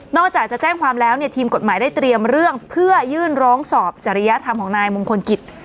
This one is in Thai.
อกจากจะแจ้งความแล้วเนี่ยทีมกฎหมายได้เตรียมเรื่องเพื่อยื่นร้องสอบจริยธรรมของนายมงคลกิจ